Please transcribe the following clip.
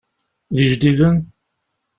D ijdiden?